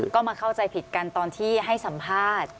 ก็มาเข้าใจผิดกันตอนที่ให้สัมภาษณ์